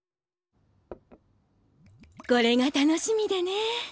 これが楽しみでね。